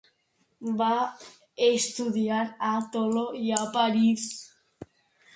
Va estudiar a Toló i a París.